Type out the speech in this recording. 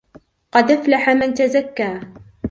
قد أفلح من تزكى